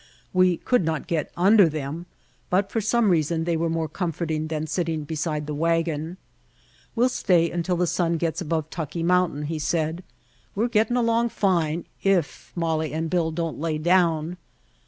We could not get under them, but for some reason they were more comforting than sitting beside the wagon. ''We'll stay until the sun gets above Tucki Mountain," he said. "We're getting alone fine, if Molly and Bill don't lay down."